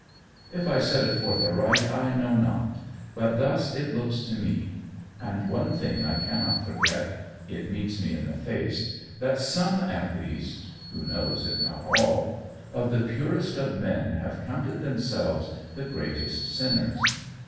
If I set it forth aright, I know not, but thus it looks to me. And one thing I cannot forget it meets me in the face that some at least, who knows if not all? of the purest of men have counted themselves the greatest sinners!